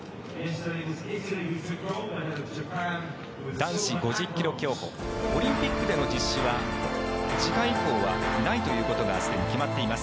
男子５０ｋｍ競歩オリンピックでの実施は次回以降はないということがすでに決まっています。